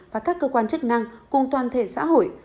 và các cơ quan chức năng cùng toàn thể xã hội